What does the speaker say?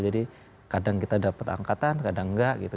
jadi kadang kita dapat angkatan kadang enggak gitu